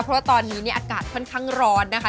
เพราะว่าตอนนี้เนี่ยอากาศค่อนข้างร้อนนะคะ